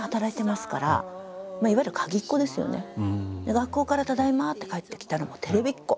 学校から「ただいま」って帰ってきたらもうテレビっ子。